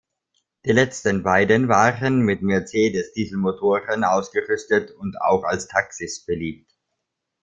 Die letzten beiden waren mit Mercedes-Dieselmotoren ausgerüstet und auch als Taxis beliebt.